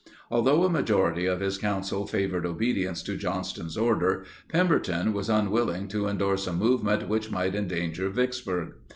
Although a majority of his council favored obedience to Johnston's order, Pemberton was unwilling to endorse a movement which might endanger Vicksburg.